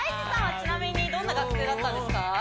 ちなみにどんな学生だったんですか？